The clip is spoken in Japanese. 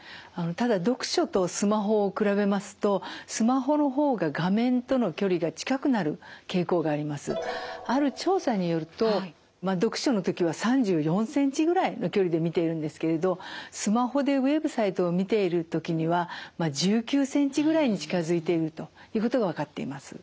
ただ読書とスマホを比べますとある調査によると読書の時は３４センチぐらいの距離で見ているんですけれどスマホでウェブサイトを見ている時には１９センチぐらいに近づいているということが分かっています。